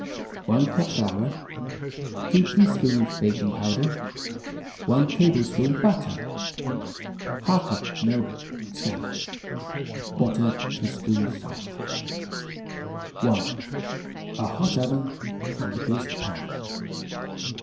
1 cup flour 2 teaspoons baking powder 1 tablespoon butter ½ cup milk (scant) ¼ teaspoon salt 1. A hot oven and a greased pan.